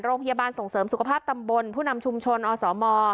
โรงพยาบาลส่งเสริมสุขภาพตำบลผู้นำชุมชนอสม